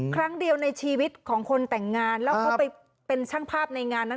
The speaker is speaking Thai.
ครั้งเดียวในชีวิตของคนแต่งงานแล้วเขาไปเป็นช่างภาพในงานนั้น